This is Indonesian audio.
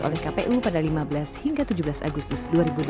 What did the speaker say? oleh kpu pada lima belas hingga tujuh belas agustus dua ribu delapan belas